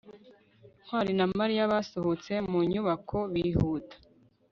ntwali na mariya basohotse mu nyubako bihuta